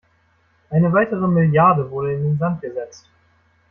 Eine weitere Milliarde wurde in den Sand gesetzt.